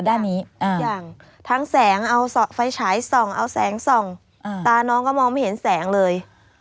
ด้านนี้ทุกอย่างทั้งแสงเอาไฟฉายส่องเอาแสงส่องตาน้องก็มองไม่เห็นแสงเลย